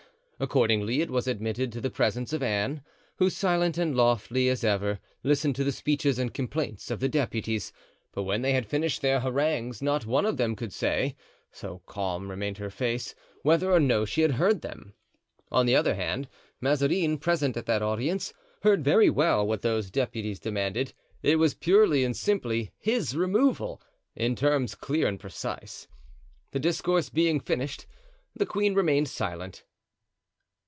Accordingly, it was admitted to the presence of Anne, who, silent and lofty as ever, listened to the speeches and complaints of the deputies; but when they had finished their harangues not one of them could say, so calm remained her face, whether or no she had heard them. On the other hand, Mazarin, present at that audience, heard very well what those deputies demanded. It was purely and simply his removal, in terms clear and precise. The discourse being finished, the queen remained silent.